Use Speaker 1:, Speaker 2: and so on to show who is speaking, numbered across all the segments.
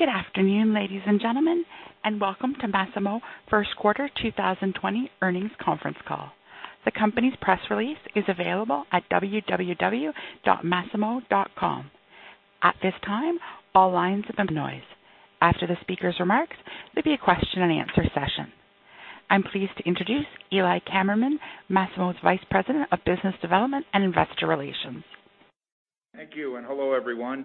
Speaker 1: Good afternoon, ladies and gentlemen, welcome to Masimo first quarter 2020 earnings conference call. The company's press release is available at www.masimo.com. At this time, all lines of noise. After the speaker's remarks, there'll be a question and answer session. I'm pleased to introduce Eli Kammerman, Masimo's Vice President of Business Development and Investor Relations.
Speaker 2: Thank you, and hello everyone.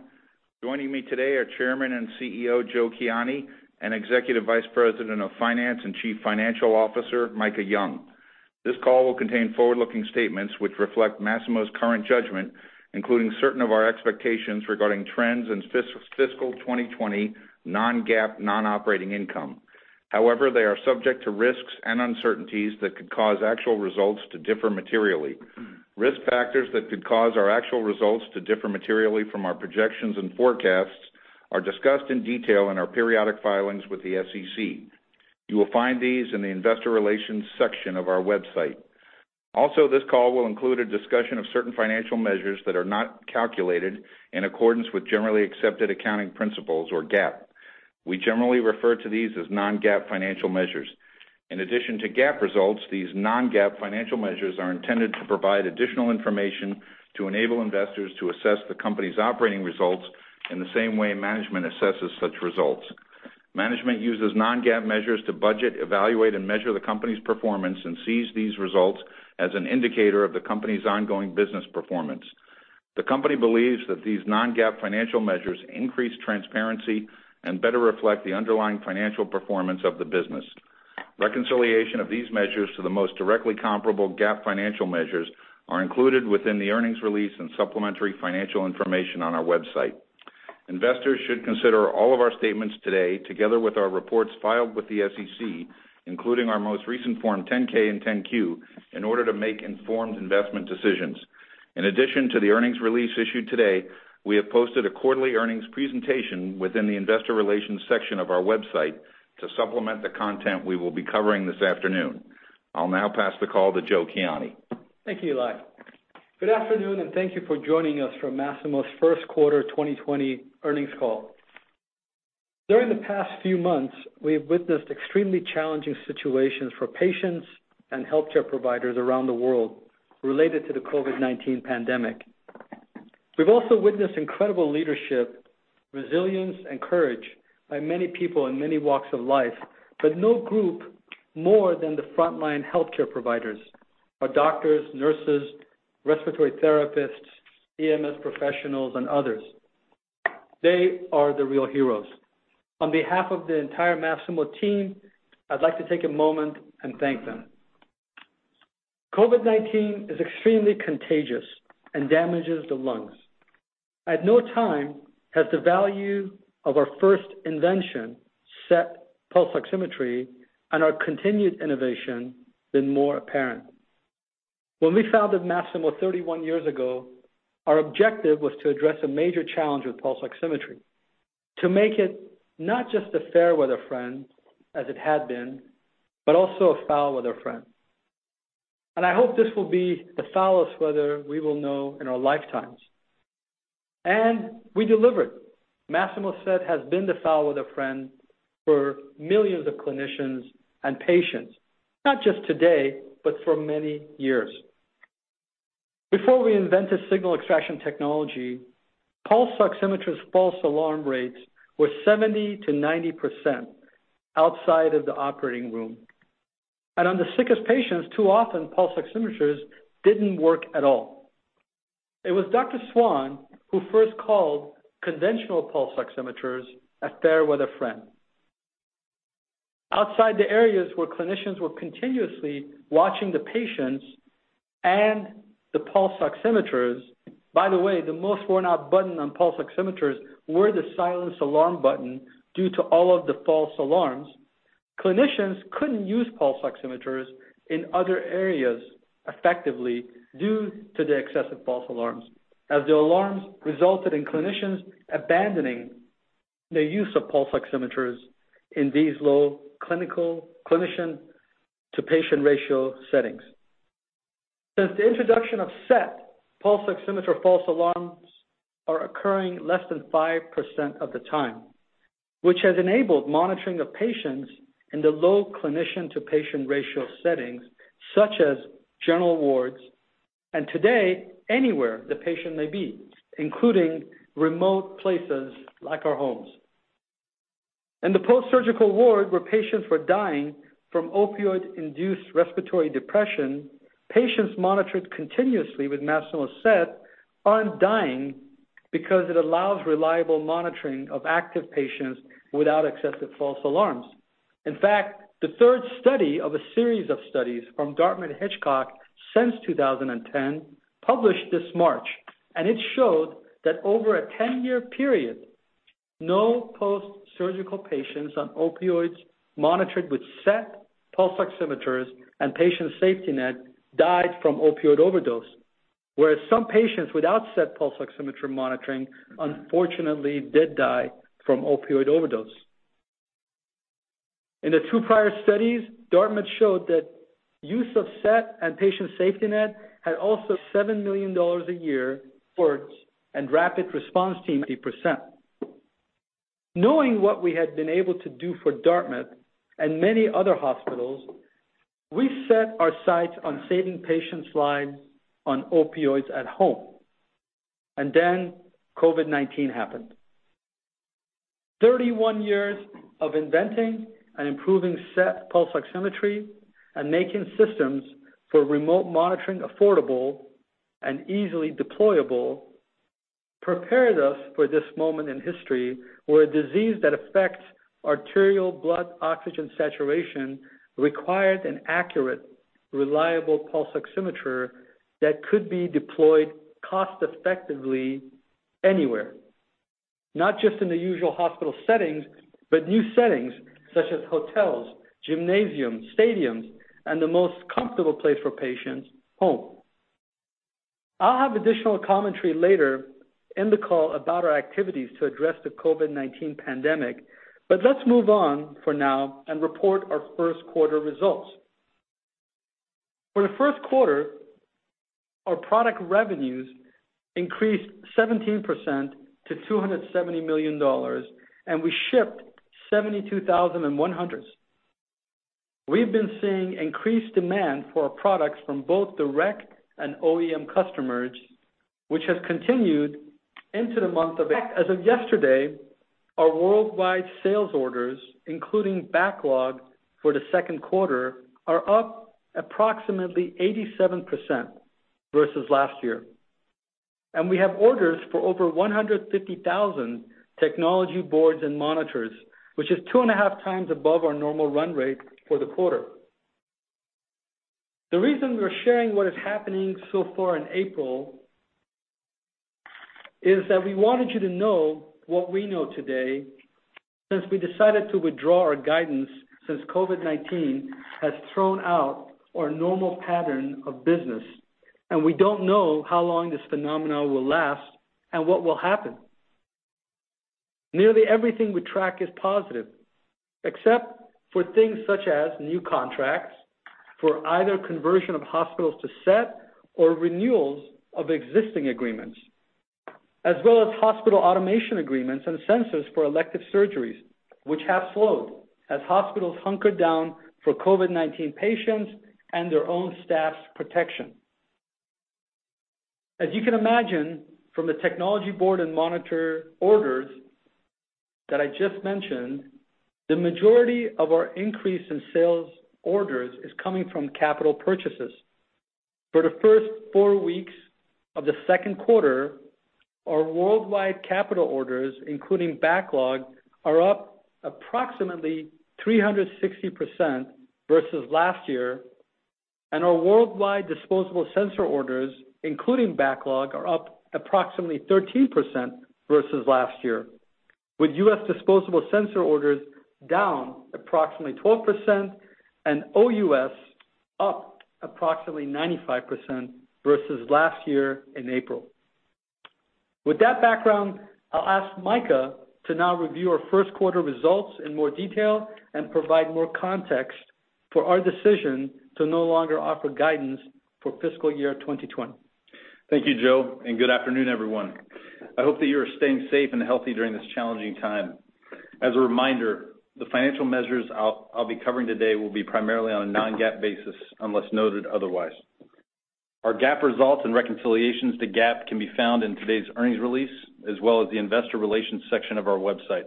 Speaker 2: Joining me today are Chairman and CEO, Joe Kiani, and Executive Vice President of Finance and Chief Financial Officer, Micah Young. This call will contain forward-looking statements which reflect Masimo's current judgment, including certain of our expectations regarding trends in fiscal 2020 non-GAAP, non-operating income. However, they are subject to risks and uncertainties that could cause actual results to differ materially. Risk factors that could cause our actual results to differ materially from our projections and forecasts are discussed in detail in our periodic filings with the SEC. You will find these in the investor relations section of our website. Also, this call will include a discussion of certain financial measures that are not calculated in accordance with generally accepted accounting principles or GAAP. We generally refer to these as non-GAAP financial measures. In addition to GAAP results, these non-GAAP financial measures are intended to provide additional information to enable investors to assess the company's operating results in the same way management assesses such results. Management uses non-GAAP measures to budget, evaluate, and measure the company's performance and sees these results as an indicator of the company's ongoing business performance. The company believes that these non-GAAP financial measures increase transparency and better reflect the underlying financial performance of the business. Reconciliation of these measures to the most directly comparable GAAP financial measures are included within the earnings release and supplementary financial information on our website. Investors should consider all of our statements today, together with our reports filed with the SEC, including our most recent Form 10-K and 10-Q, in order to make informed investment decisions. In addition to the earnings release issued today, we have posted a quarterly earnings presentation within the investor relations section of our website to supplement the content we will be covering this afternoon. I'll now pass the call to Joe Kiani.
Speaker 3: Thank you, Eli. Good afternoon, and thank you for joining us for Masimo's first quarter 2020 earnings call. During the past few months, we have witnessed extremely challenging situations for patients and healthcare providers around the world related to the COVID-19 pandemic. We've also witnessed incredible leadership, resilience, and courage by many people in many walks of life, but no group more than the frontline healthcare providers, our doctors, nurses, respiratory therapists, EMS professionals, and others. They are the real heroes. On behalf of the entire Masimo team, I'd like to take a moment and thank them. COVID-19 is extremely contagious and damages the lungs. At no time has the value of our first invention, SET pulse oximetry, and our continued innovation been more apparent. When we founded Masimo 31 years ago, our objective was to address a major challenge with pulse oximetry, to make it not just a fair-weather friend as it had been, but also a foul-weather friend. I hope this will be the foulest weather we will know in our lifetimes. We delivered. Masimo SET has been the foul-weather friend for millions of clinicians and patients, not just today, but for many years. Before we invented signal extraction technology, pulse oximetry's false alarm rates were 70%-90% outside of the operating room. On the sickest patients, too often, pulse oximeters didn't work at all. It was Dr. Swan who first called conventional pulse oximeters a fair-weather friend. Outside the areas where clinicians were continuously watching the patients and the pulse oximeters, by the way, the most worn out button on pulse oximeters were the silence alarm button due to all of the false alarms, clinicians couldn't use pulse oximeters in other areas effectively due to the excessive false alarms, as the alarms resulted in clinicians abandoning the use of pulse oximeters in these low clinician-to-patient ratio settings. Since the introduction of SET, pulse oximeter false alarms are occurring less than 5% of the time, which has enabled monitoring of patients in the low clinician-to-patient ratio settings, such as general wards, and today, anywhere the patient may be, including remote places like our homes. In the post-surgical ward, where patients were dying from opioid-induced respiratory depression, patients monitored continuously with Masimo SET aren't dying because it allows reliable monitoring of active patients without excessive false alarms. In fact, the third study of a series of studies from Dartmouth-Hitchcock since 2010 published this March, and it showed that over a 10-year period, no post-surgical patients on opioids monitored with SET pulse oximeters and Patient SafetyNet died from opioid overdose, whereas some patients without SET pulse oximetry monitoring unfortunately did die from opioid overdose. In the two prior studies, Dartmouth showed that use of SET and Patient SafetyNet had also $7 million a year for its and rapid response team, 50%. Knowing what we had been able to do for Dartmouth and many other hospitals, we set our sights on saving patients' lives on opioids at home. COVID-19 happened. 31 years of inventing and improving SET pulse oximetry and making systems for remote monitoring affordable and easily deployable prepared us for this moment in history, where a disease that affects arterial blood oxygen saturation required an accurate, reliable pulse oximeter that could be deployed cost-effectively anywhere, not just in the usual hospital settings, but new settings such as hotels, gymnasiums, stadiums, and the most comfortable place for patients, home. I'll have additional commentary later in the call about our activities to address the COVID-19 pandemic. Let's move on for now and report our first quarter results. For the first quarter, our product revenues increased 17% to $270 million, and we shipped 72,100. We've been seeing increased demand for our products from both direct and OEM customers, which has continued into As of yesterday, our worldwide sales orders, including backlog for the second quarter, are up approximately 87% versus last year. We have orders for over 150,000 technology boards and monitors, which is two and a half times above our normal run rate for the quarter. The reason we're sharing what is happening so far in April is that we wanted you to know what we know today, since we decided to withdraw our guidance since COVID-19 has thrown out our normal pattern of business, we don't know how long this phenomena will last and what will happen. Nearly everything we track is positive, except for things such as new contracts for either conversion of hospitals to SET or renewals of existing agreements, as well as hospital automation agreements and sensors for elective surgeries, which have slowed as hospitals hunker down for COVID-19 patients and their own staff's protection. As you can imagine from the technology board and monitor orders that I just mentioned, the majority of our increase in sales orders is coming from capital purchases. For the first four weeks of the second quarter, our worldwide capital orders, including backlog, are up approximately 360% versus last year, and our worldwide disposable sensor orders, including backlog, are up approximately 13% versus last year, with U.S. disposable sensor orders down approximately 12% and OUS up approximately 95% versus last year in April. With that background, I'll ask Micah to now review our first quarter results in more detail and provide more context for our decision to no longer offer guidance for fiscal year 2020.
Speaker 4: Thank you, Joe, and good afternoon, everyone. I hope that you are staying safe and healthy during this challenging time. As a reminder, the financial measures I'll be covering today will be primarily on a non-GAAP basis, unless noted otherwise. Our GAAP results and reconciliations to GAAP can be found in today's earnings release, as well as the investor relations section of our website.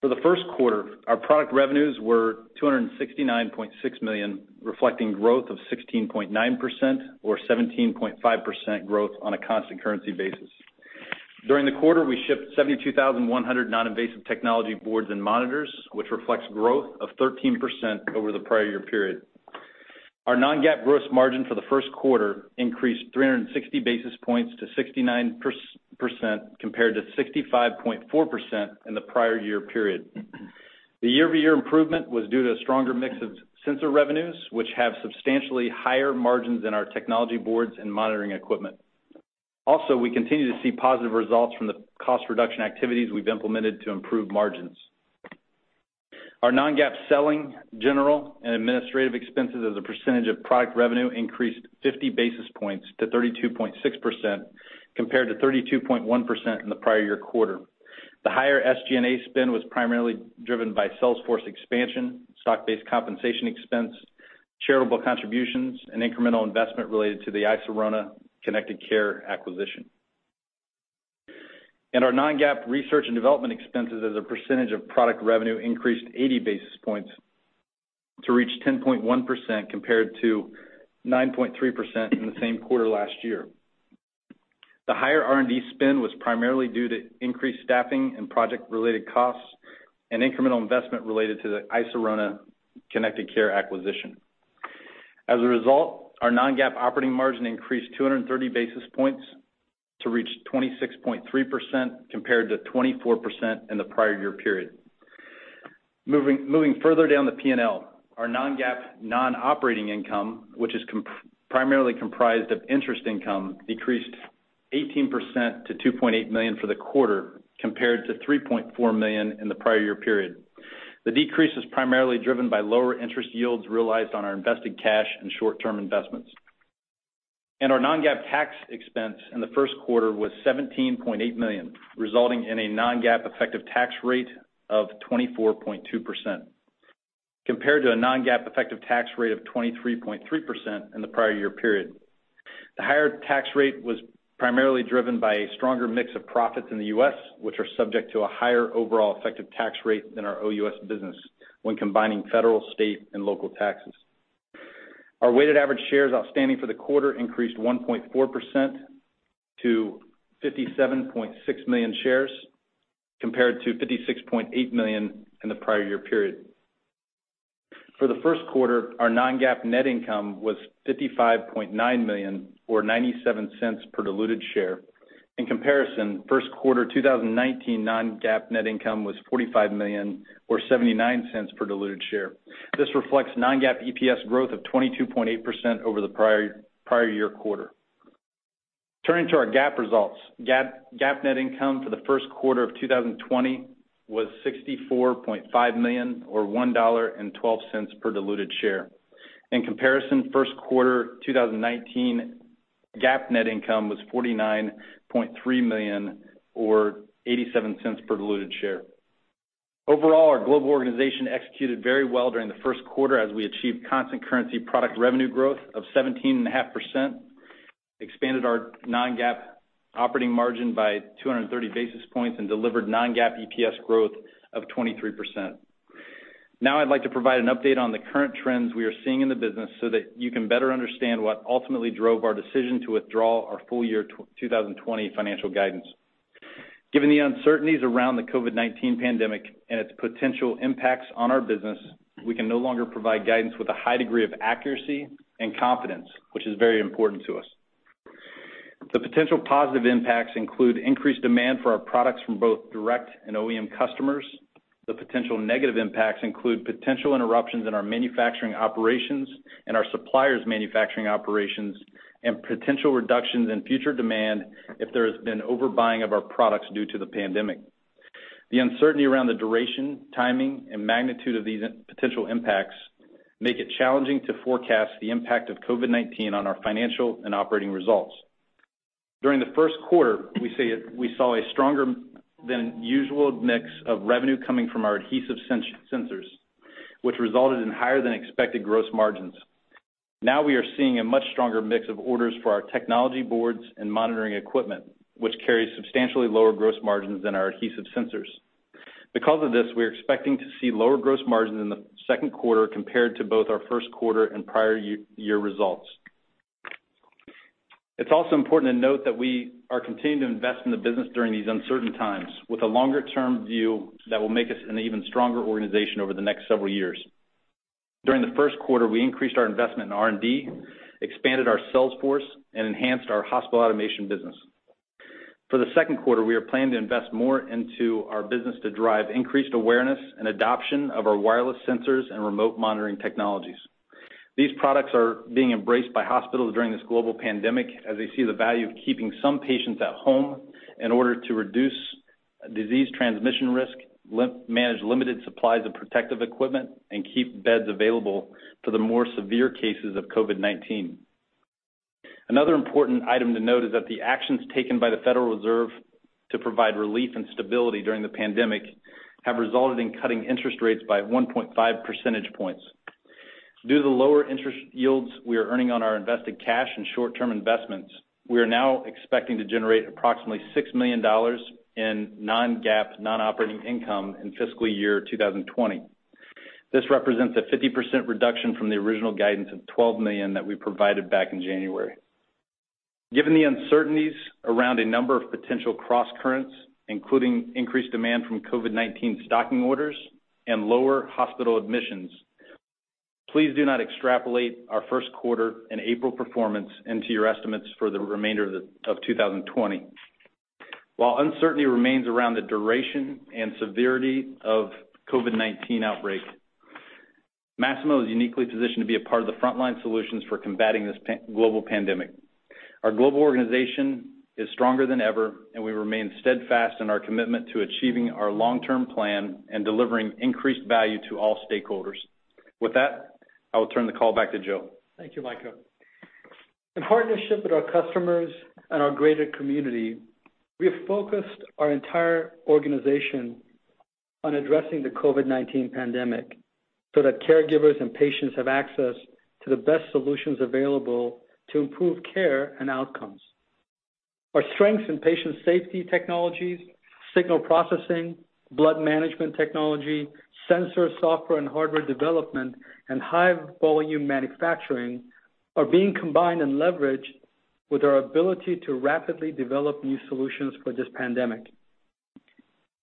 Speaker 4: For the first quarter, our product revenues were $269.6 million, reflecting growth of 16.9% or 17.5% growth on a constant currency basis. During the quarter, we shipped 72,100 non-invasive technology boards and monitors, which reflects growth of 13% over the prior year period. Our non-GAAP gross margin for the first quarter increased 360 basis points to 69% compared to 65.4% in the prior year period. The year-over-year improvement was due to a stronger mix of sensor revenues, which have substantially higher margins than our technology boards and monitoring equipment. We continue to see positive results from the cost reduction activities we've implemented to improve margins. Our non-GAAP selling, general, and administrative expenses as a percentage of product revenue increased 50 basis points to 32.6%, compared to 32.1% in the prior year quarter. The higher SG&A spend was primarily driven by sales force expansion, stock-based compensation expense, charitable contributions, and incremental investment related to the NantHealth Connected Care acquisition. Our non-GAAP research and development expenses as a percentage of product revenue increased 80 basis points to reach 10.1%, compared to 9.3% in the same quarter last year. The higher R&D spend was primarily due to increased staffing and project-related costs and incremental investment related to the NantHealth Connected Care acquisition. As a result, our non-GAAP operating margin increased 230 basis points to reach 26.3%, compared to 24% in the prior year period. Moving further down the P&L, our non-GAAP non-operating income, which is primarily comprised of interest income, decreased 18% to $2.8 million for the quarter compared to $3.4 million in the prior year period. The decrease is primarily driven by lower interest yields realized on our invested cash and short-term investments. Our non-GAAP tax expense in the first quarter was $17.8 million, resulting in a non-GAAP effective tax rate of 24.2%, compared to a non-GAAP effective tax rate of 23.3% in the prior year period. The higher tax rate was primarily driven by a stronger mix of profits in the U.S., which are subject to a higher overall effective tax rate than our OUS business when combining federal, state, and local taxes. Our weighted average shares outstanding for the quarter increased 1.4% to 57.6 million shares, compared to 56.8 million in the prior year period. For the first quarter, our non-GAAP net income was $55.9 million, or $0.97 per diluted share. In comparison, first quarter 2019 non-GAAP net income was $45 million or $0.79 per diluted share. This reflects non-GAAP EPS growth of 22.8% over the prior year quarter. Turning to our GAAP results. GAAP net income for the first quarter of 2020 was $64.5 million or $1.12 per diluted share. In comparison, first quarter 2019 GAAP net income was $49.3 million or $0.87 per diluted share. Overall, our global organization executed very well during the first quarter as we achieved constant currency product revenue growth of 17.5%, expanded our non-GAAP operating margin by 230 basis points, and delivered non-GAAP EPS growth of 23%. Now I'd like to provide an update on the current trends we are seeing in the business so that you can better understand what ultimately drove our decision to withdraw our full year 2020 financial guidance. Given the uncertainties around the COVID-19 pandemic and its potential impacts on our business, we can no longer provide guidance with a high degree of accuracy and confidence, which is very important to us. The potential positive impacts include increased demand for our products from both direct and OEM customers. The potential negative impacts include potential interruptions in our manufacturing operations and our suppliers' manufacturing operations, and potential reductions in future demand if there has been overbuying of our products due to the pandemic. The uncertainty around the duration, timing, and magnitude of these potential impacts make it challenging to forecast the impact of COVID-19 on our financial and operating results. During the first quarter, we saw a stronger than usual mix of revenue coming from our adhesive sensors, which resulted in higher than expected gross margins. Now we are seeing a much stronger mix of orders for our technology boards and monitoring equipment, which carries substantially lower gross margins than our adhesive sensors. Because of this, we are expecting to see lower gross margins in the second quarter compared to both our first quarter and prior year results. It's also important to note that we are continuing to invest in the business during these uncertain times with a longer-term view that will make us an even stronger organization over the next several years. During the first quarter, we increased our investment in R&D, expanded our sales force, and enhanced our hospital automation business. For the second quarter, we are planning to invest more into our business to drive increased awareness and adoption of our wireless sensors and remote monitoring technologies. These products are being embraced by hospitals during this global pandemic as they see the value of keeping some patients at home in order to reduce disease transmission risk, manage limited supplies of protective equipment, and keep beds available for the more severe cases of COVID-19. Another important item to note is that the actions taken by the Federal Reserve to provide relief and stability during the pandemic have resulted in cutting interest rates by 1.5 percentage points. Due to the lower interest yields we are earning on our invested cash and short-term investments, we are now expecting to generate approximately $6 million in non-GAAP non-operating income in fiscal year 2020. This represents a 50% reduction from the original guidance of $12 million that we provided back in January. Given the uncertainties around a number of potential crosscurrents, including increased demand from COVID-19 stocking orders and lower hospital admissions, please do not extrapolate our first quarter and April performance into your estimates for the remainder of 2020. While uncertainty remains around the duration and severity of COVID-19 outbreak, Masimo is uniquely positioned to be a part of the frontline solutions for combating this global pandemic. Our global organization is stronger than ever, we remain steadfast in our commitment to achieving our long-term plan and delivering increased value to all stakeholders. With that, I will turn the call back to Joe.
Speaker 3: Thank you, Micah. In partnership with our customers and our greater community, we have focused our entire organization on addressing the COVID-19 pandemic so that caregivers and patients have access to the best solutions available to improve care and outcomes. Our strength in patient safety technologies, signal processing, blood management technology, sensor software and hardware development, and high volume manufacturing are being combined and leveraged with our ability to rapidly develop new solutions for this pandemic.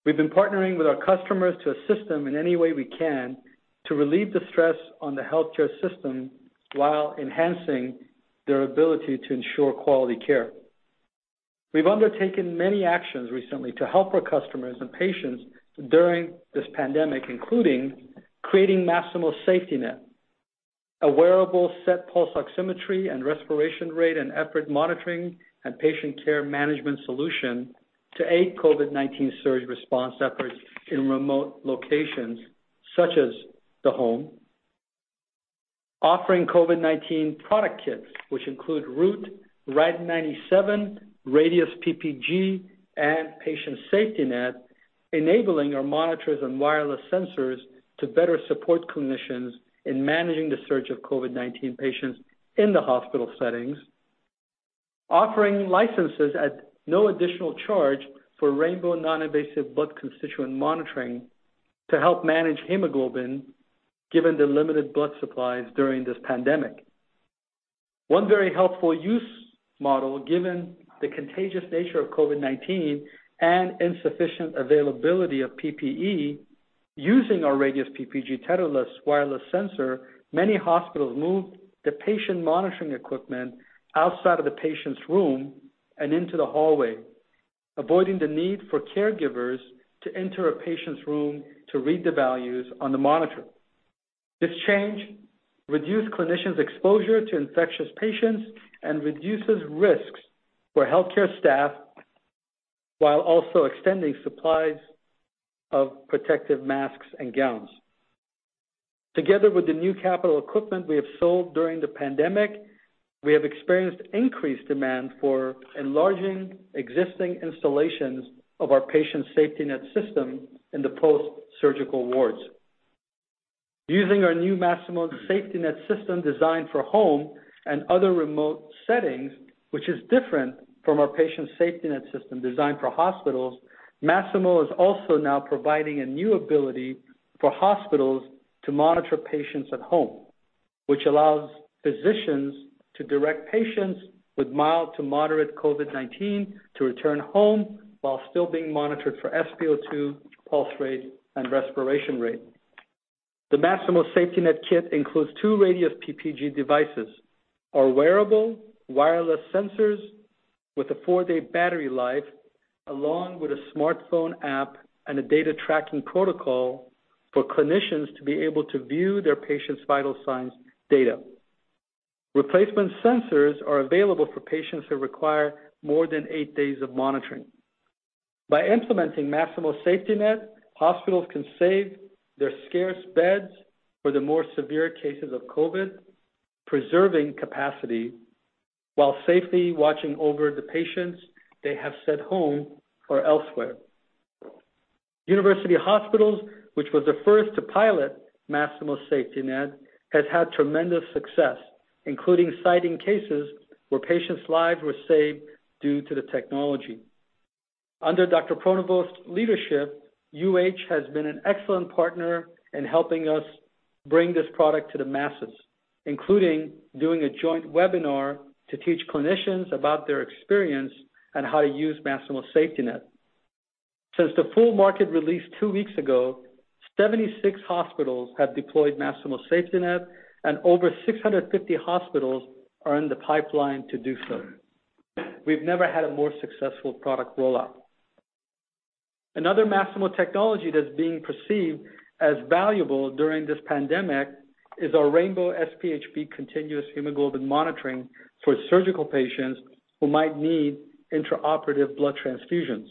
Speaker 3: We've been partnering with our customers to assist them in any way we can to relieve the stress on the healthcare system while enhancing their ability to ensure quality care. We've undertaken many actions recently to help our customers and patients during this pandemic, including creating Masimo SafetyNet, a wearable SET pulse oximetry and respiration rate and effort monitoring and patient care management solution to aid COVID-19 surge response efforts in remote locations such as the home. Offering COVID-19 product kits, which include Root, Rad-97, Radius PPG, and Patient SafetyNet, enabling our monitors and wireless sensors to better support clinicians in managing the surge of COVID-19 patients in the hospital settings. Offering licenses at no additional charge for rainbow non-invasive blood constituent monitoring to help manage hemoglobin, given the limited blood supplies during this pandemic. One very helpful use model, given the contagious nature of COVID-19 and insufficient availability of PPE, using our Radius PPG tetherless wireless sensor, many hospitals moved the patient monitoring equipment outside of the patient's room and into the hallway, avoiding the need for caregivers to enter a patient's room to read the values on the monitor. This change reduced clinicians' exposure to infectious patients and reduces risks for healthcare staff, while also extending supplies of protective masks and gowns. Together with the new capital equipment we have sold during the pandemic, we have experienced increased demand for enlarging existing installations of our Patient SafetyNet system in the post-surgical wards. Using our new Masimo SafetyNet system designed for home and other remote settings, which is different from our Patient SafetyNet system designed for hospitals, Masimo is also now providing a new ability for hospitals to monitor patients at home, which allows physicians to direct patients with mild to moderate COVID-19 to return home while still being monitored for SpO2, pulse rate, and respiration rate. The Masimo SafetyNet kit includes two Radius PPG devices, our wearable wireless sensors with a four-day battery life, along with a smartphone app and a data tracking protocol for clinicians to be able to view their patients' vital signs data. Replacement sensors are available for patients who require more than eight days of monitoring. By implementing Masimo SafetyNet, hospitals can save their scarce beds for the more severe cases of COVID, preserving capacity while safely watching over the patients they have sent home or elsewhere. University Hospitals, which was the first to pilot Masimo SafetyNet, has had tremendous success, including citing cases where patients' lives were saved due to the technology. Under Dr. Pronovost's leadership, UH has been an excellent partner in helping us bring this product to the masses, including doing a joint webinar to teach clinicians about their experience and how to use Masimo SafetyNet. Since the full market release two weeks ago, 76 hospitals have deployed Masimo SafetyNet and over 650 hospitals are in the pipeline to do so. We've never had a more successful product rollout. Another Masimo technology that's being perceived as valuable during this pandemic is our rainbow SpHb continuous hemoglobin monitoring for surgical patients who might need intraoperative blood transfusions.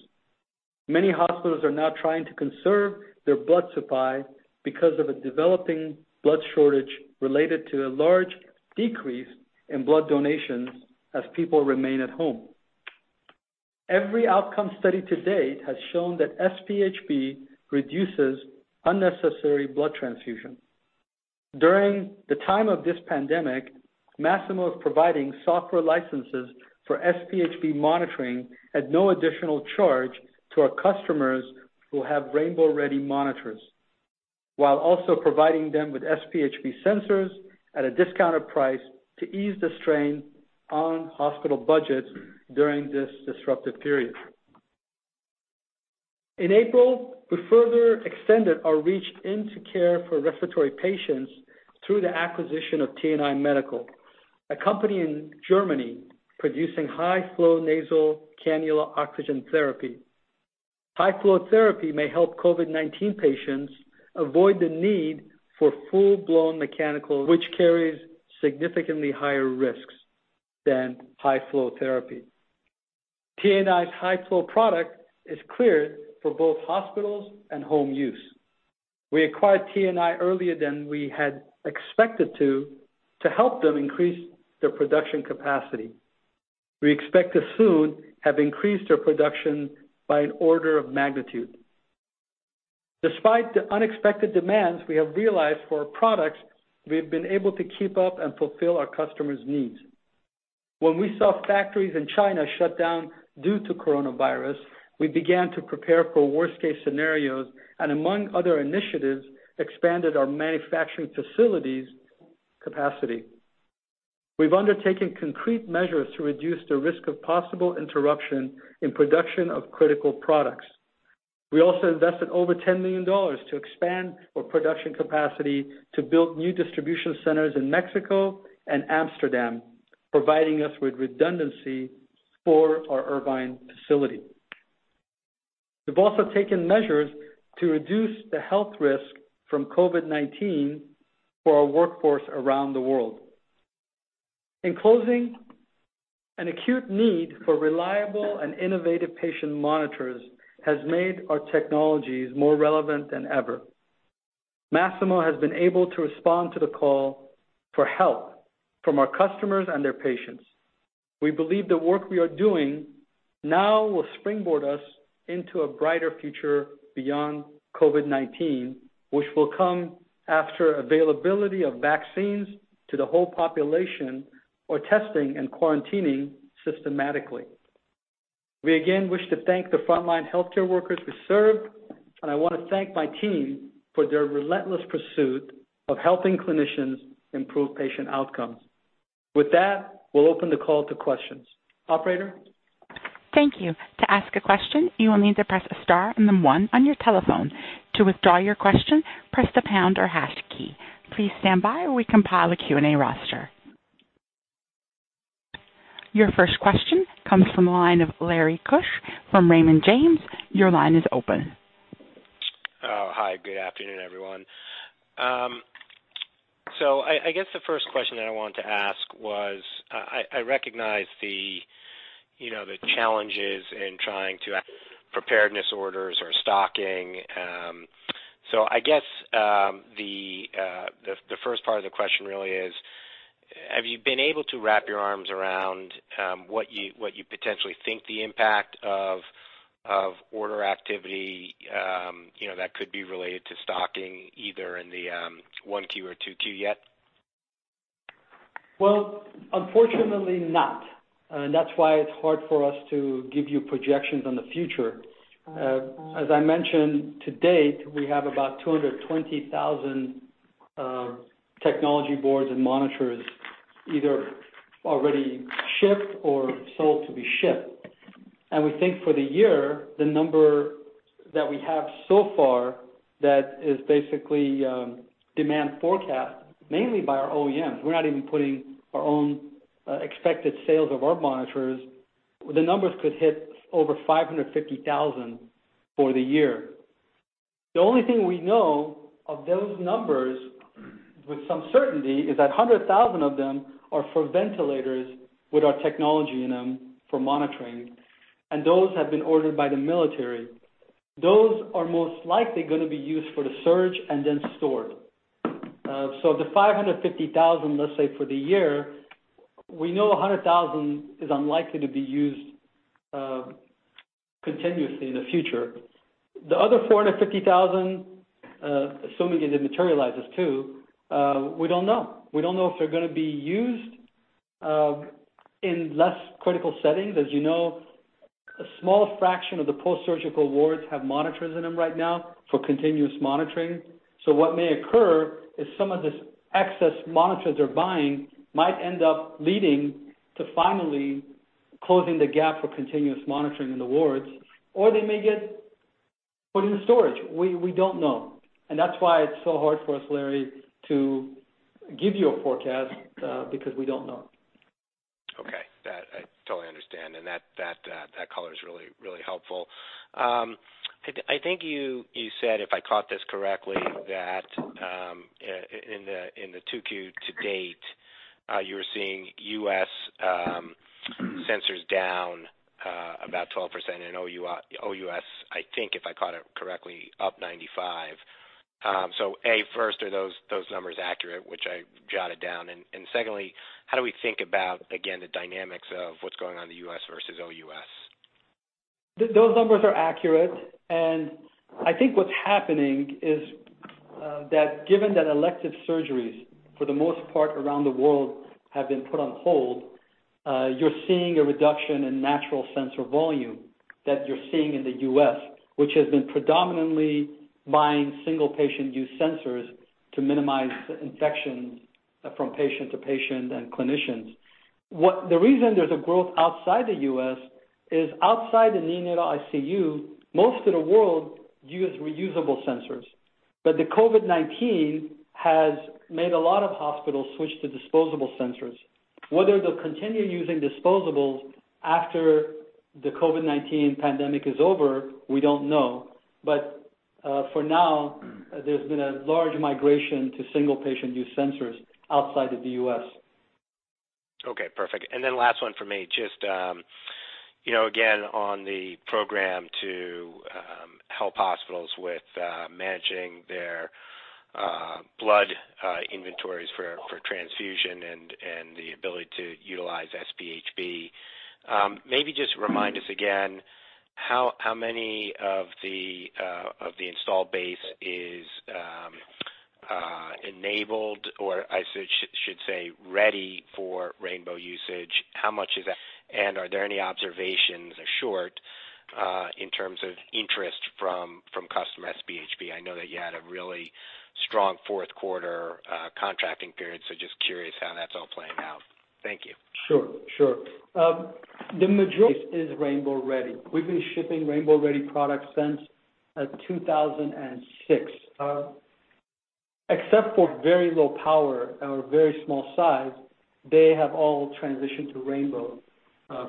Speaker 3: Many hospitals are now trying to conserve their blood supply because of a developing blood shortage related to a large decrease in blood donations as people remain at home. Every outcome study to date has shown that SpHb reduces unnecessary blood transfusion. During the time of this pandemic, Masimo is providing software licenses for SpHb monitoring at no additional charge to our customers who have Rainbow-ready monitors, while also providing them with SpHb sensors at a discounted price to ease the strain on hospital budgets during this disruptive period. In April, we further extended our reach into care for respiratory patients through the acquisition of TNI Medical, a company in Germany producing high-flow nasal cannula oxygen therapy. High-flow therapy may help COVID-19 patients avoid the need for full-blown mechanical, which carries significantly higher risks than high-flow therapy. TNI's high-flow product is cleared for both hospitals and home use. We acquired TNI earlier than we had expected to help them increase their production capacity. We expect to soon have increased our production by an order of magnitude. Despite the unexpected demands we have realized for our products, we have been able to keep up and fulfill our customers' needs. When we saw factories in China shut down due to COVID-19, we began to prepare for worst-case scenarios and among other initiatives, expanded our manufacturing facilities' capacity. We've undertaken concrete measures to reduce the risk of possible interruption in production of critical products. We also invested over $10 million to expand our production capacity to build new distribution centers in Mexico and Amsterdam, providing us with redundancy for our Irvine facility. We've also taken measures to reduce the health risk from COVID-19 for our workforce around the world. In closing, an acute need for reliable and innovative patient monitors has made our technologies more relevant than ever. Masimo has been able to respond to the call for help from our customers and their patients. We believe the work we are doing now will springboard us into a brighter future beyond COVID-19, which will come after availability of vaccines to the whole population or testing and quarantining systematically. We again wish to thank the frontline healthcare workers who served, and I want to thank my team for their relentless pursuit of helping clinicians improve patient outcomes. With that, we'll open the call to questions. Operator?
Speaker 1: Thank you. To ask a question, you will need to press a star and then one on your telephone. To withdraw your question, press the pound or hash key. Please stand by while we compile a Q&A roster. Your first question comes from the line of Lawrence Keusch from Raymond James. Your line is open.
Speaker 5: Hi, good afternoon, everyone. I guess the first question that I wanted to ask was, I recognize the challenges in trying to act preparedness orders or stocking. I guess the first part of the question really is, have you been able to wrap your arms around what you potentially think the impact of order activity that could be related to stocking either in the 1Q or 2Q yet?
Speaker 3: Well, unfortunately not. That's why it's hard for us to give you projections on the future. As I mentioned, to date, we have about 220,000 technology boards and monitors either already shipped or sold to be shipped. We think for the year, the number that we have so far, that is basically demand forecast mainly by our OEMs. We're not even putting our own expected sales of our monitors. The numbers could hit over 550,000 for the year. The only thing we know of those numbers with some certainty is that 100,000 of them are for ventilators with our technology in them for monitoring, and those have been ordered by the military. Those are most likely going to be used for the surge and then stored. Of the 550,000, let's say, for the year, we know 100,000 is unlikely to be used continuously in the future. The other 450,000, assuming it materializes too, we don't know. We don't know if they're going to be used in less critical settings. As you know, a small fraction of the post-surgical wards have monitors in them right now for continuous monitoring. What may occur is some of these excess monitors they're buying might end up leading to finally closing the gap for continuous monitoring in the wards, or they may get put in storage. We don't know. That's why it's so hard for us, Larry, to give you a forecast, because we don't know.
Speaker 5: Okay. That I totally understand. That color is really helpful. I think you said, if I caught this correctly, that in the 2Q to date, you were seeing U.S. sensors down about 12% in OUS, I think if I caught it correctly, up 95%. A, first, are those numbers accurate, which I jotted down, and secondly, how do we think about, again, the dynamics of what's going on in the U.S. versus OUS?
Speaker 3: Those numbers are accurate, and I think what's happening is that given that elective surgeries, for the most part around the world, have been put on hold, you're seeing a reduction in natural sensor volume that you're seeing in the U.S., which has been predominantly buying single-patient use sensors to minimize infections from patient to patient and clinicians. The reason there's a growth outside the U.S. is outside the neonatal ICU, most of the world use reusable sensors. The COVID-19 has made a lot of hospitals switch to disposable sensors. Whether they'll continue using disposables after the COVID-19 pandemic is over, we don't know. For now, there's been a large migration to single-patient use sensors outside of the U.S.
Speaker 5: Okay, perfect. Last one for me, just again, on the program to help hospitals with managing their blood inventories for transfusion and the ability to utilize SpHb. Maybe just remind us again, how many of the install base is enabled, or I should say, ready for rainbow usage. How much is that, and are there any observations short in terms of interest from customer SpHb? I know that you had a really strong fourth quarter contracting period, so just curious how that's all playing out. Thank you.
Speaker 3: Sure. The majority is rainbow-ready. We've been shipping rainbow-ready products since 2006. Except for very low power or very small size, they have all transitioned to rainbow,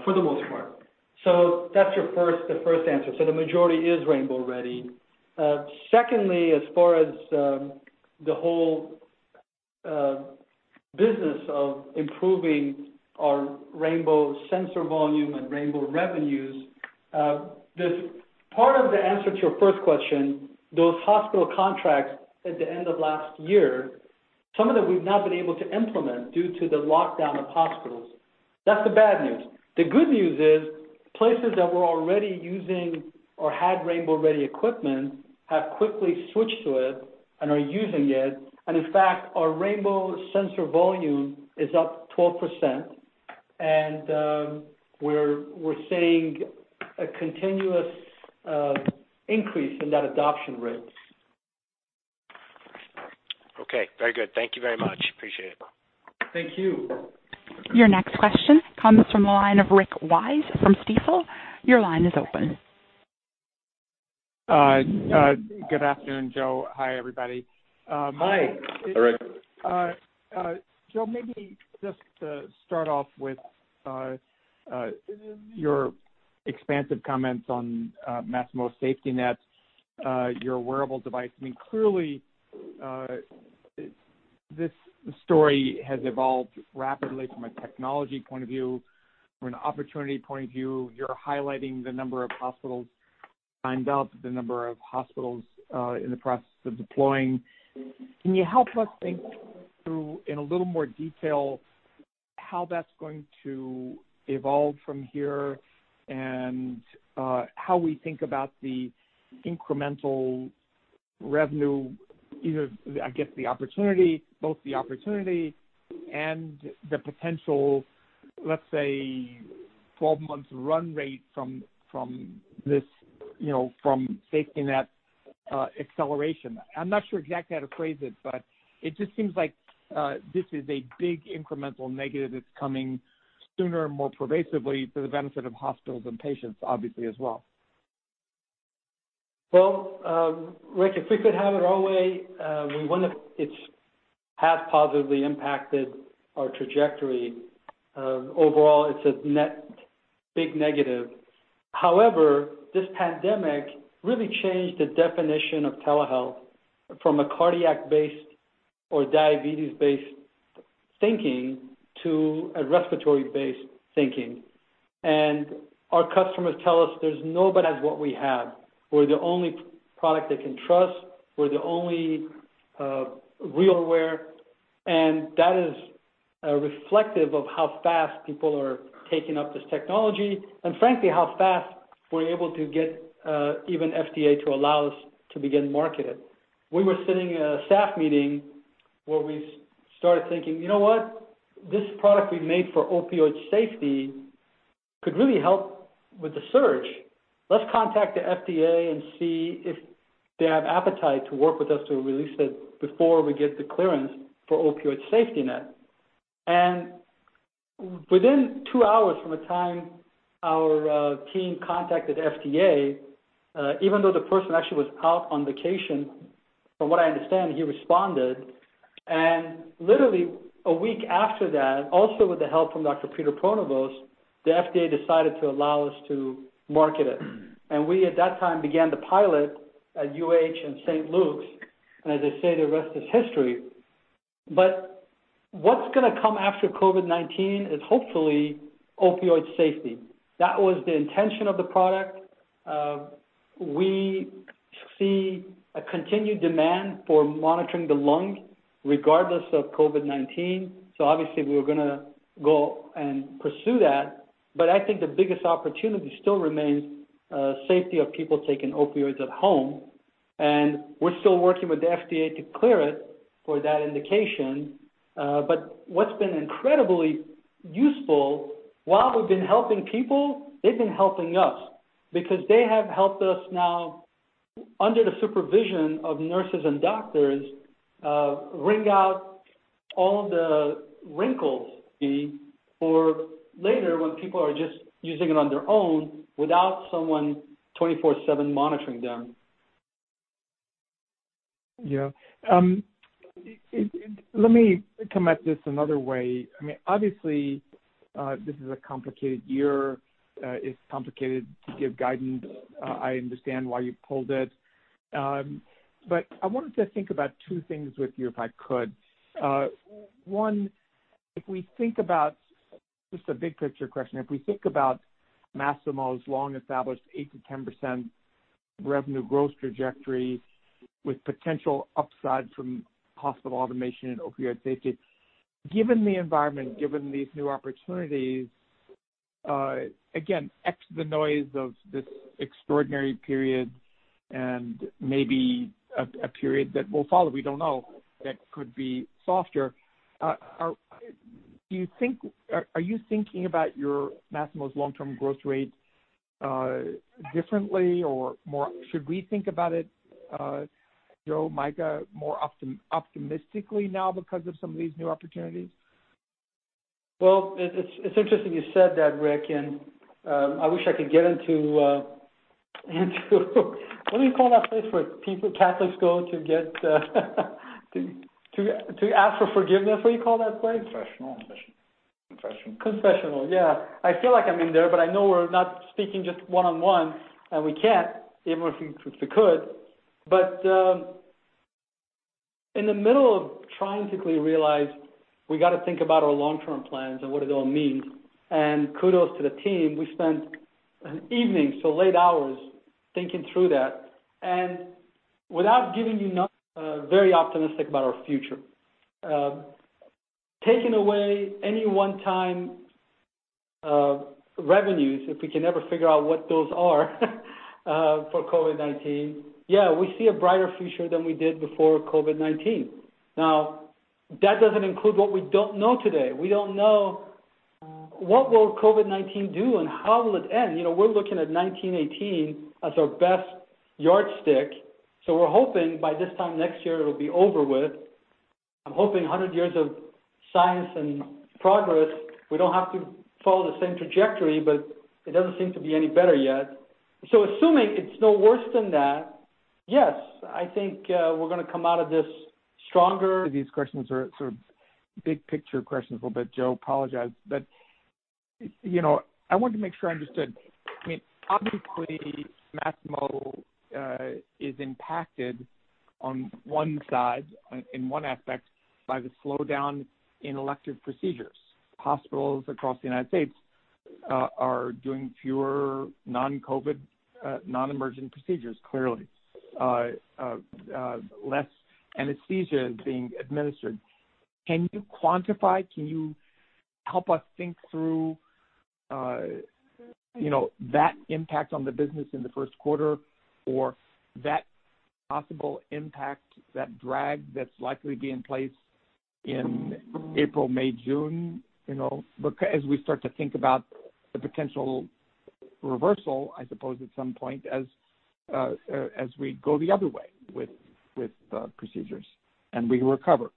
Speaker 3: for the most part. That's the first answer. The majority is rainbow-ready. Secondly, as far as the whole business of improving our rainbow sensor volume and rainbow revenues, part of the answer to your first question, those hospital contracts at the end of last year, some of them we've not been able to implement due to the lockdown of hospitals. That's the bad news. The good news is, places that were already using or had rainbow-ready equipment have quickly switched to it and are using it. In fact, our rainbow sensor volume is up 12%, and we're seeing a continuous increase in that adoption rates.
Speaker 5: Okay. Very good. Thank you very much. Appreciate it.
Speaker 3: Thank you.
Speaker 1: Your next question comes from the line of Rick Wise from Stifel. Your line is open.
Speaker 6: Good afternoon, Joe. Hi, everybody.
Speaker 3: Hi, Rick.
Speaker 6: Joe, maybe just to start off with your expansive comments on Masimo SafetyNet, your wearable device. This story has evolved rapidly from a technology point of view, from an opportunity point of view. You're highlighting the number of hospitals signed up, the number of hospitals in the process of deploying. Can you help us think through, in a little more detail, how that's going to evolve from here and how we think about the incremental revenue, both the opportunity and the potential, let's say 12 months run rate from SafetyNet acceleration? I'm not sure exactly how to phrase it. It just seems like this is a big incremental magnitude that's coming sooner and more pervasively to the benefit of hospitals and patients, obviously, as well.
Speaker 3: Well, Rick, if we could have it our way, we wouldn't. It has positively impacted our trajectory. Overall, it's a net big negative. However, this pandemic really changed the definition of telehealth from a cardiac-based or diabetes-based thinking to a respiratory-based thinking. Our customers tell us there's nobody has what we have. We're the only product they can trust. We're the only real wear, and that is reflective of how fast people are taking up this technology and frankly, how fast we're able to get even FDA to allow us to begin to market it. We were sitting in a staff meeting where we started thinking, "You know what? This product we made for opioid safety could really help with the surge. Let's contact the FDA and see if they have appetite to work with us to release it before we get the clearance for opioid SafetyNet. Within two hours from the time our team contacted FDA, even though the person actually was out on vacation, from what I understand, he responded. Literally a week after that, also with the help from Dr. Peter Pronovost, the FDA decided to allow us to market it. We, at that time, began to pilot at UH and St. Luke's, and as they say, the rest is history. What's going to come after COVID-19 is hopefully opioid safety. That was the intention of the product. We see a continued demand for monitoring the lung regardless of COVID-19, obviously we're going to go and pursue that. I think the biggest opportunity still remains safety of people taking opioids at home, and we're still working with the FDA to clear it for that indication. What's been incredibly useful, while we've been helping people, they've been helping us because they have helped us now, under the supervision of nurses and doctors, wring out all the wrinkles for later when people are just using it on their own without someone 24/7 monitoring them.
Speaker 6: Yeah. Let me come at this another way. Obviously, this is a complicated year. It's complicated to give guidance. I understand why you pulled it. I wanted to think about two things with you, if I could. One, this is a big-picture question. If we think about Masimo's long-established 8%-10% revenue growth trajectory with potential upside from possible automation in opioid safety, given the environment, given these new opportunities, again, X the noise of this extraordinary period and maybe a period that will follow, we don't know, that could be softer. Are you thinking about Masimo's long-term growth rate differently, or should we think about it, Joe, Micah, more optimistically now because of some of these new opportunities?
Speaker 3: Well, it's interesting you said that, Rick, and I wish I could get into what do you call that place where Catholics go to ask for forgiveness? What do you call that place?
Speaker 6: Confessional.
Speaker 3: Confessional. Yeah. I feel like I'm in there, but I know we're not speaking just one-on-one, and we can't, even if we could. In the middle of trying to quickly realize we got to think about our long-term plans and what it all means, and kudos to the team, we spent evenings, so late hours, thinking through that. Without giving you numbers, very optimistic about our future. Taking away any one-time revenues, if we can ever figure out what those are for COVID-19, yeah, we see a brighter future than we did before COVID-19. Now, that doesn't include what we don't know today. We don't know what will COVID-19 do and how will it end. We're looking at 1918 as our best yardstick, so we're hoping by this time next year, it'll be over with. I'm hoping 100 years of science and progress, we don't have to follow the same trajectory, but it doesn't seem to be any better yet. Assuming it's no worse than that, yes, I think we're going to come out of this stronger.
Speaker 6: These questions are sort of big-picture questions a little bit, Joe, apologize. I wanted to make sure I understood. Obviously, Masimo is impacted on one side, in one aspect, by the slowdown in elective procedures. Hospitals across the United States are doing fewer non-COVID, non-emergent procedures, clearly. Less anesthesia is being administered. Can you quantify, can you help us think through that impact on the business in the first quarter or that possible impact, that drag that's likely to be in place in April, May, June, as we start to think about the potential reversal, I suppose, at some point as we go the other way with procedures and we recover?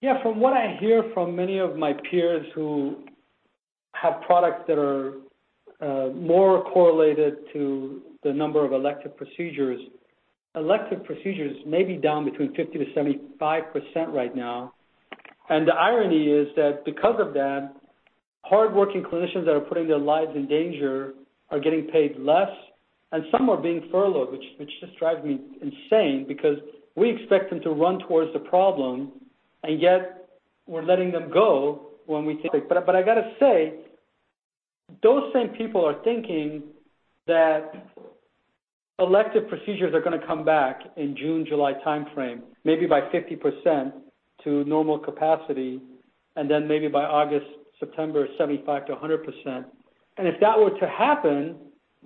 Speaker 3: Yeah. From what I hear from many of my peers who have products that are more correlated to the number of elective procedures, elective procedures may be down between 50%-75% right now. The irony is that because of that, hardworking clinicians that are putting their lives in danger are getting paid less, and some are being furloughed, which just drives me insane, because we expect them to run towards the problem, and yet we're letting them go when we see. I got to say, those same people are thinking that elective procedures are going to come back in June, July timeframe, maybe by 50% to normal capacity, and then maybe by August, September, 75%-100%. If that were to happen,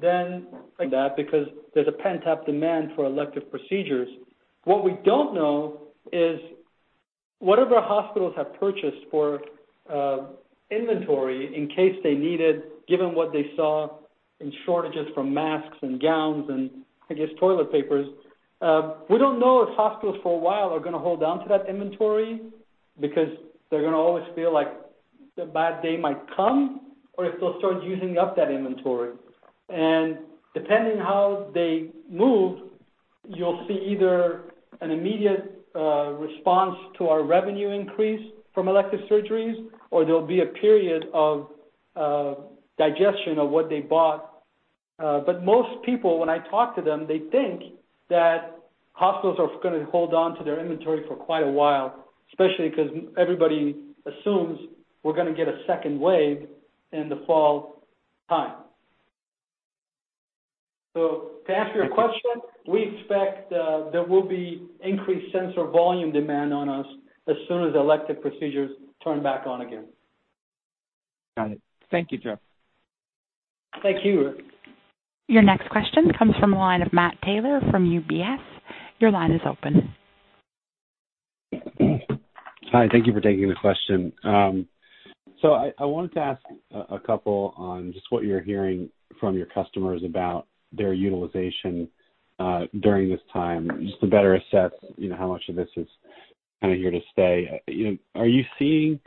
Speaker 3: Like that, because there's a pent-up demand for elective procedures. What we don't know is whatever hospitals have purchased for inventory in case they need it, given what they saw in shortages from masks and gowns and I guess toilet papers. We don't know if hospitals for a while are going to hold on to that inventory because they're going to always feel like the bad day might come, or if they'll start using up that inventory. Depending how they move, you'll see either an immediate response to our revenue increase from elective surgeries, or there'll be a period of digestion of what they bought. Most people, when I talk to them, they think that hospitals are going to hold on to their inventory for quite a while, especially because everybody assumes we're going to get a second wave in the fall time. To answer your question, we expect there will be increased sensor volume demand on us as soon as elective procedures turn back on again.
Speaker 6: Got it. Thank you, Joe.
Speaker 3: Thank you, Rick.
Speaker 1: Your next question comes from the line of Matt Taylor from UBS. Your line is open.
Speaker 7: Hi, thank you for taking the question. I wanted to ask a couple on just what you're hearing from your customers about their utilization during this time, just to better assess how much of this is kind of here to stay. Are you seeing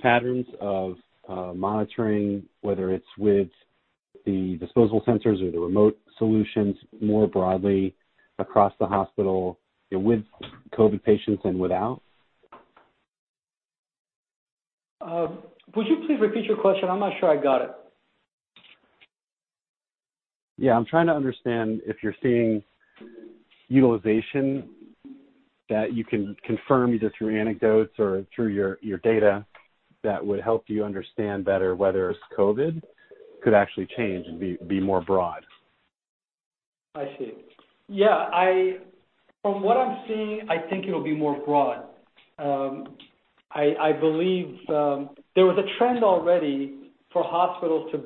Speaker 7: patterns of monitoring, whether it's with the disposable sensors or the remote solutions more broadly across the hospital with COVID patients and without?
Speaker 3: Would you please repeat your question? I'm not sure I got it.
Speaker 7: Yeah. I'm trying to understand if you're seeing utilization that you can confirm, either through anecdotes or through your data, that would help you understand better whether it's COVID could actually change and be more broad.
Speaker 3: I see. Yeah. From what I'm seeing, I think it'll be more broad. I believe there was a trend already for hospitals to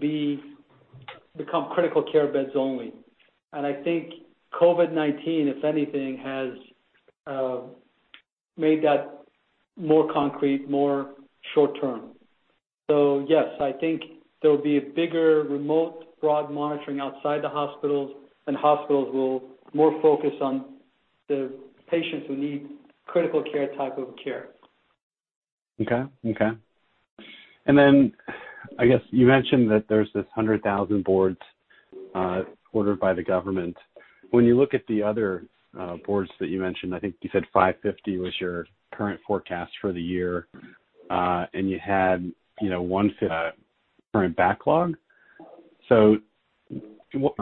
Speaker 3: become critical care beds only, and I think COVID-19, if anything, has made that more concrete, more short-term. Yes, I think there'll be a bigger remote broad monitoring outside the hospitals, and hospitals will more focus on the patients who need critical care type of care.
Speaker 7: Okay. I guess you mentioned that there's this 100,000 boards ordered by the government. When you look at the other boards that you mentioned, I think you said 550 was your current forecast for the year, and you had current backlog. What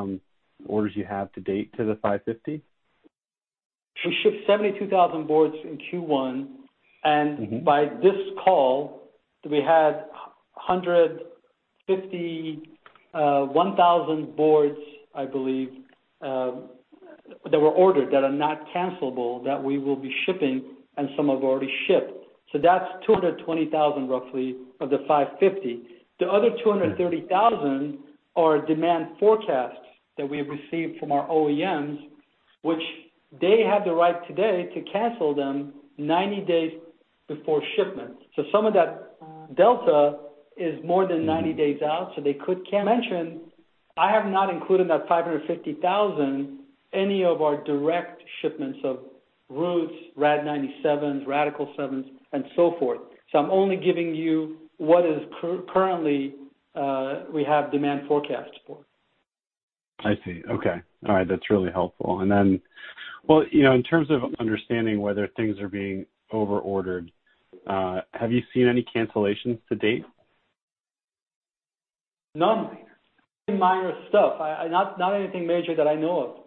Speaker 7: orders you have to date to the 550?
Speaker 3: We shipped 72,000 boards in Q1. by this call, we had 151,000 boards, I believe, that were ordered, that are not cancelable, that we will be shipping, and some have already shipped. That's 220,000 roughly, of the 550. The other 230,000 are demand forecasts that we have received from our OEMs, which they have the right today to cancel them 90 days before shipment. Some of that delta is more than 90 days out, so they could cancel. I have not included in that 550,000 any of our direct shipments of Roots, RAD-97s, Radical-7s, and so forth. I'm only giving you what is currently we have demand forecast for.
Speaker 7: I see. Okay. All right. That's really helpful. Well, in terms of understanding whether things are being over-ordered, have you seen any cancellations to date?
Speaker 3: None. Some minor stuff. Not anything major that I know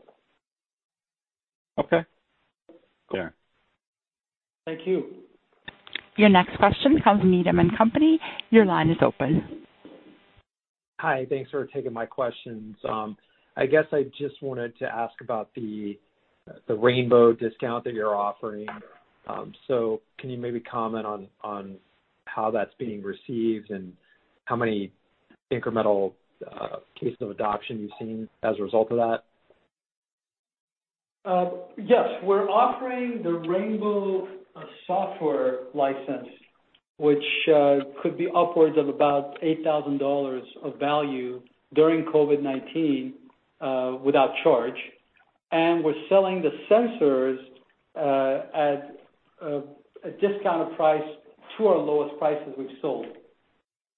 Speaker 3: of.
Speaker 7: Okay. Fair.
Speaker 3: Thank you.
Speaker 1: Your next question comes Needham & Company. Your line is open.
Speaker 8: Hi, thanks for taking my questions. I guess I just wanted to ask about the rainbow discount that you're offering. Can you maybe comment on how that's being received and how many incremental cases of adoption you've seen as a result of that?
Speaker 3: Yes. We're offering the Rainbow software license, which could be upwards of about $8,000 of value during COVID-19, without charge. We're selling the sensors at a discounted price to our lowest prices we've sold.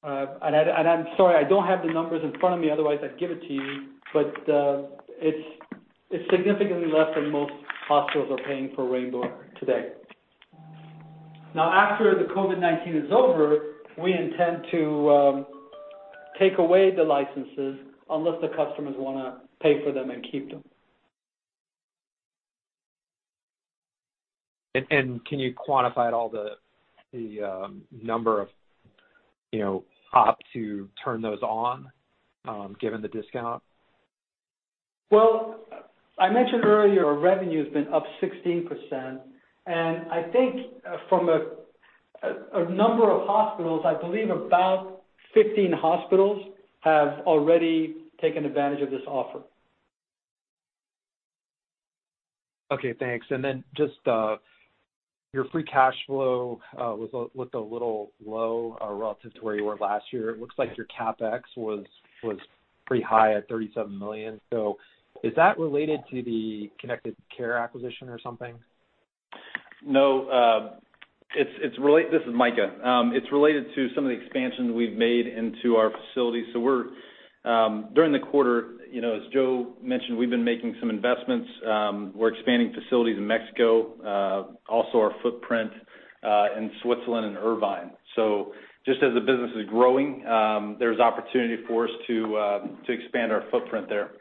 Speaker 3: I'm sorry, I don't have the numbers in front of me, otherwise I'd give it to you. It's significantly less than most hospitals are paying for Rainbow today. Now, after the COVID-19 is over, we intend to take away the licenses unless the customers wanna pay for them and keep them.
Speaker 8: Can you quantify at all the number of ops who turn those on, given the discount?
Speaker 3: Well, I mentioned earlier our revenue's been up 16%. I think from a number of hospitals, I believe about 15 hospitals have already taken advantage of this offer.
Speaker 8: Okay, thanks. Then just your free cash flow looked a little low relative to where you were last year. It looks like your CapEx was pretty high at $37 million. Is that related to the Connected Care acquisition or something?
Speaker 4: No. This is Micah. It's related to some of the expansions we've made into our facilities. During the quarter, as Joe mentioned, we've been making some investments. We're expanding facilities in Mexico, also our footprint in Switzerland and Irvine. Just as the business is growing, there's opportunity for us to expand our footprint there.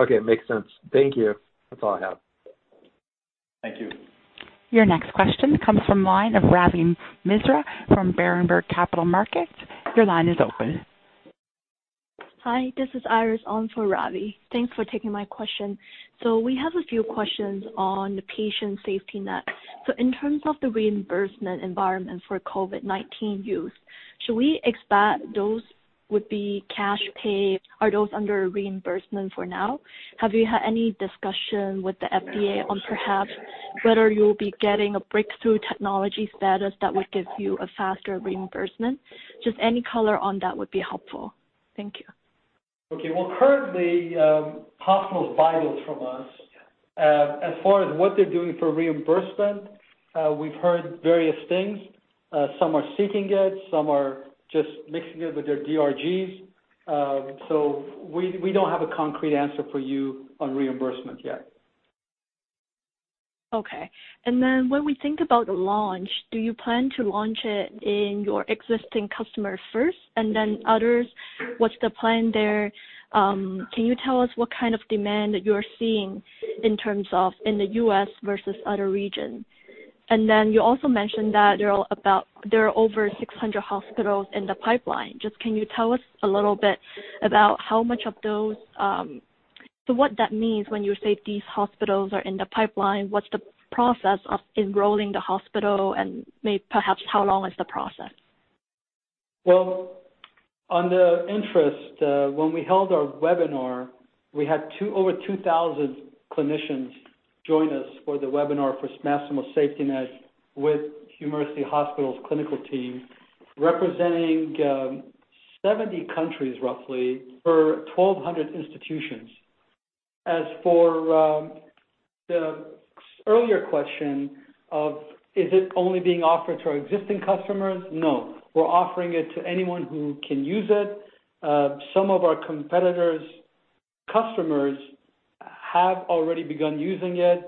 Speaker 8: Okay, makes sense. Thank you. That's all I have.
Speaker 3: Thank you.
Speaker 1: Your next question comes from line of Ravi Misra from Berenberg Capital Markets. Your line is open.
Speaker 9: Hi, this is Iris on for Ravi. Thanks for taking my question. We have a few questions on the Patient SafetyNet. In terms of the reimbursement environment for COVID-19 use, should we expect those would be cash paid? Are those under reimbursement for now? Have you had any discussion with the FDA on perhaps whether you'll be getting a breakthrough technology status that would give you a faster reimbursement? Any color on that would be helpful. Thank you.
Speaker 3: Okay. Well, currently, hospitals buy those from us. As far as what they're doing for reimbursement, we've heard various things. Some are seeking it, some are just mixing it with their DRGs. We don't have a concrete answer for you on reimbursement yet.
Speaker 9: Okay. When we think about the launch, do you plan to launch it in your existing customer first and then others? What's the plan there? Can you tell us what kind of demand that you're seeing in terms of in the U.S. versus other regions? You also mentioned that there are over 600 hospitals in the pipeline. Can you tell us a little bit about what that means when you say these hospitals are in the pipeline, what's the process of enrolling the hospital and perhaps how long is the process?
Speaker 3: On the interest, when we held our webinar, we had over 2,000 clinicians join us for the webinar for Masimo SafetyNet with University Hospitals' clinical team, representing 70 countries roughly for 1,200 institutions. As for the earlier question of is it only being offered to our existing customers? No, we're offering it to anyone who can use it. Some of our competitors' customers have already begun using it.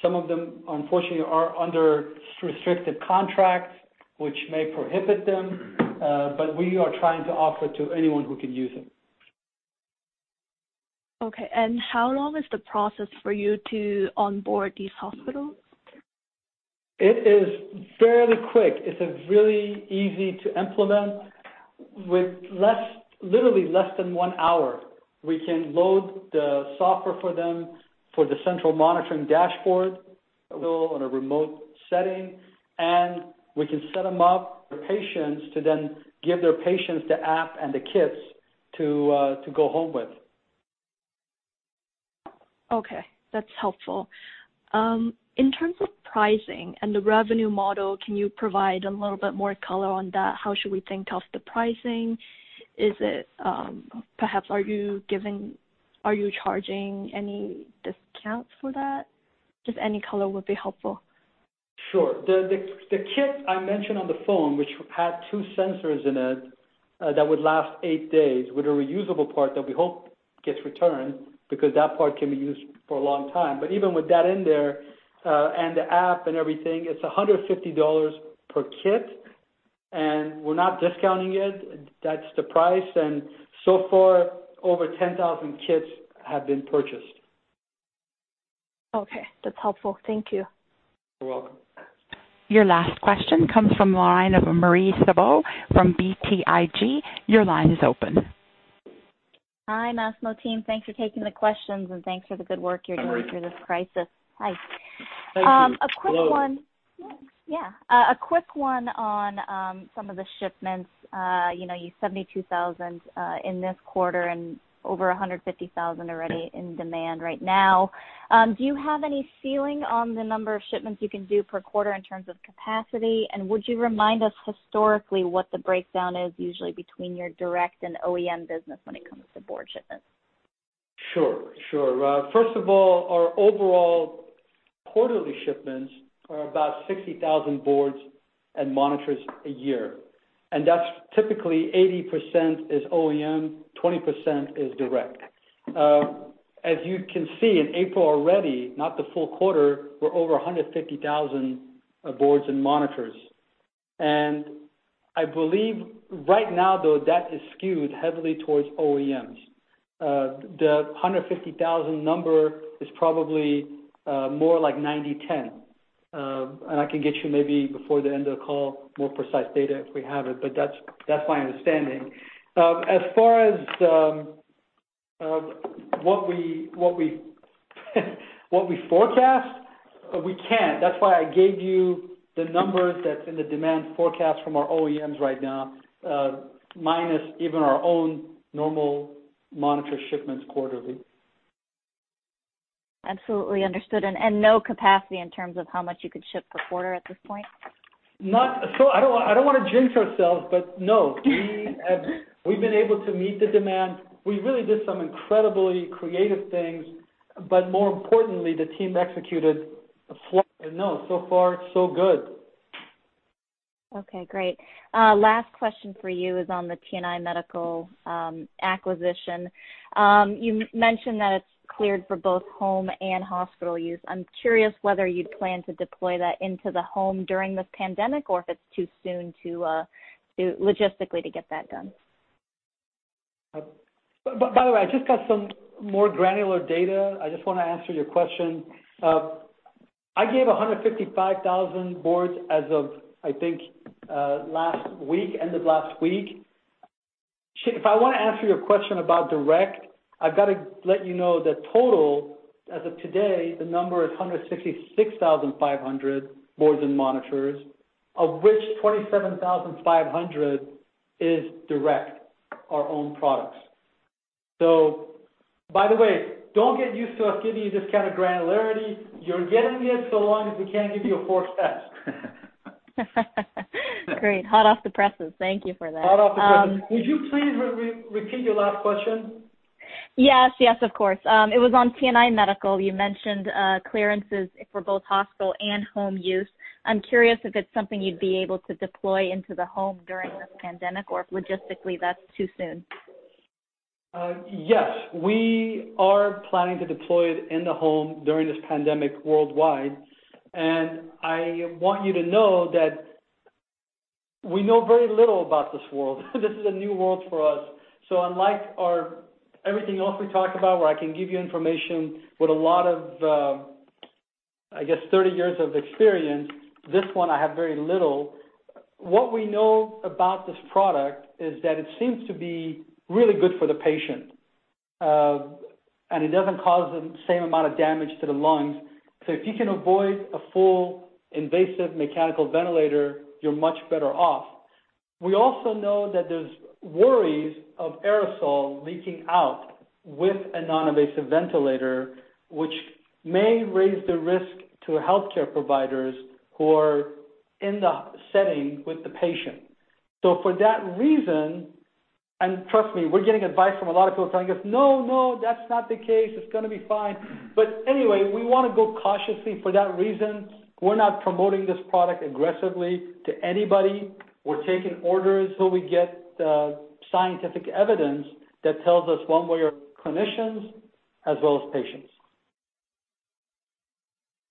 Speaker 3: Some of them, unfortunately, are under restricted contracts, which may prohibit them. We are trying to offer to anyone who can use it.
Speaker 9: Okay, how long is the process for you to onboard these hospitals?
Speaker 3: It is fairly quick. It's really easy to implement. With literally less than one hour, we can load the software for them for the central monitoring dashboard, on a remote setting, and we can set them up for patients to then give their patients the app and the kits to go home with.
Speaker 9: Okay, that's helpful. In terms of pricing and the revenue model, can you provide a little bit more color on that? How should we think of the pricing? Perhaps, are you charging any discounts for that? Just any color would be helpful.
Speaker 3: Sure. The kit I mentioned on the phone, which had two sensors in it, that would last eight days, with a reusable part that we hope gets returned, because that part can be used for a long time. Even with that in there, and the app and everything, it's $150 per kit, and we're not discounting it. That's the price, and so far, over 10,000 kits have been purchased.
Speaker 9: Okay. That's helpful. Thank you.
Speaker 3: You're welcome.
Speaker 1: Your last question comes from the line of Marie Thibault from BTIG. Your line is open.
Speaker 10: Hi, Masimo team. Thanks for taking the questions, and thanks for the good work you're doing.
Speaker 3: Hi, Marie.
Speaker 10: through this crisis. Hi.
Speaker 3: Thank you. Hello.
Speaker 10: Yeah. A quick one on some of the shipments. Your 72,000 in this quarter and over 150,000 already in demand right now. Do you have any feeling on the number of shipments you can do per quarter in terms of capacity, and would you remind us historically what the breakdown is usually between your direct and OEM business when it comes to board shipments?
Speaker 3: Sure. First of all, our overall quarterly shipments are about 60,000 boards and monitors a year, and that's typically 80% is OEM, 20% is direct. As you can see, in April already, not the full quarter, we're over 150,000 boards and monitors. I believe right now, though, that is skewed heavily towards OEMs. The 150,000 number is probably more like 90/10. I can get you maybe before the end of the call, more precise data if we have it, but that's my understanding. As far as what we forecast, we can't. That's why I gave you the numbers that's in the demand forecast from our OEMs right now, minus even our own normal monitor shipments quarterly.
Speaker 10: Absolutely. Understood. No capacity in terms of how much you could ship per quarter at this point?
Speaker 3: I don't want to jinx ourselves, but no. We've been able to meet the demand. We really did some incredibly creative things, but more importantly, the team executed flat. No, so far, so good.
Speaker 10: Okay, great. Last question for you is on the TNI medical acquisition. You mentioned that it's cleared for both home and hospital use. I'm curious whether you'd plan to deploy that into the home during this pandemic, or if it's too soon logistically to get that done.
Speaker 3: By the way, I just got some more granular data. I just want to answer your question. I gave 155,000 boards as of, I think, last week, end of last week. If I want to answer your question about direct, I've got to let you know the total, as of today, the number is 166,500 boards and monitors, of which 27,500 is direct, our own products. By the way, don't get used to us giving you this kind of granularity. You're getting it so long as we can't give you a forecast.
Speaker 10: Great. Hot off the presses. Thank you for that.
Speaker 3: Hot off the presses. Could you please repeat your last question?
Speaker 10: Yes, of course. It was on TNI medical. You mentioned clearances for both hospital and home use. I'm curious if it's something you'd be able to deploy into the home during this pandemic, or if logistically that's too soon.
Speaker 3: Yes. We are planning to deploy it in the home during this pandemic worldwide. I want you to know that we know very little about this world. This is a new world for us. Unlike everything else we talk about where I can give you information with a lot of, I guess, 30 years of experience, this one I have very little. What we know about this product is that it seems to be really good for the patient, and it doesn't cause the same amount of damage to the lungs. If you can avoid a full invasive mechanical ventilator, you're much better off. We also know that there's worries of aerosol leaking out with a non-invasive ventilator, which may raise the risk to healthcare providers who are in the setting with the patient. For that reason, and trust me, we're getting advice from a lot of people telling us, "No, that's not the case. It's going to be fine." Anyway, we want to go cautiously for that reason. We're not promoting this product aggressively to anybody. We're taking orders till we get scientific evidence that tells us one way or, clinicians as well as patients.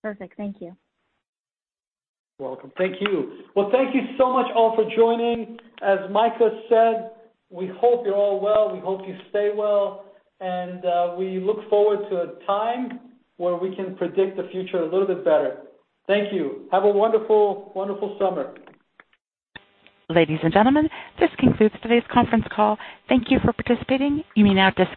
Speaker 10: Perfect. Thank you.
Speaker 3: You're welcome. Thank you. Well, thank you so much all for joining. As Micah said, we hope you're all well, we hope you stay well, and we look forward to a time where we can predict the future a little bit better. Thank you. Have a wonderful summer.
Speaker 1: Ladies and gentlemen, this concludes today's conference call. Thank you for participating. You may now disconnect.